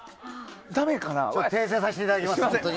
訂正させていただきます。